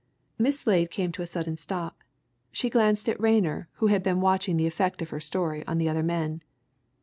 Miss Slade came to a sudden stop. She glanced at Rayner, who had been watching the effect of her story on the other men.